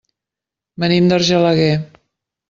Venim d'Argelaguer.